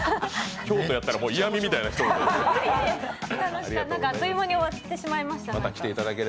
京都やったら、嫌みみたいな人になってる。